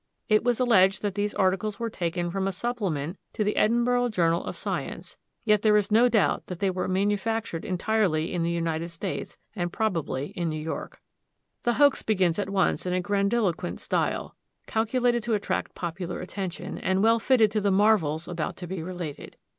It was alleged that these articles were taken from a supplement to the Edinburgh Journal of Science; yet there is no doubt that they were manufactured entirely in the United States, and probably in New York. The hoax begins at once in a grandiloquent style, calculated to attract popular attention, and well fitted to the marvels about to be related.